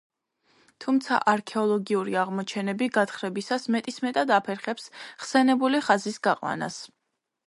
თუმცა, არქეოლოგიური აღმოჩენები გათხრებისას მეტისმეტად აფერხებს ხსენებული ხაზის გაყვანას.